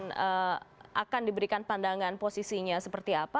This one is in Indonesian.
dan akan diberikan pandangan posisinya seperti apa